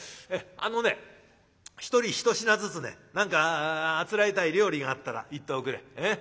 あのね一人一品ずつね何かあつらえたい料理があったら言っておくれ。